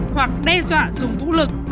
hoặc đe dọa dùng vũ lực